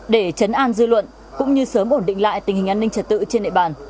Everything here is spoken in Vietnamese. để chấn an dư luận cũng như sớm ổn định lại tình hình an ninh trật tự trên địa bàn